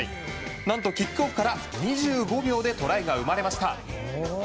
何とキックオフから２５秒でトライが生まれました。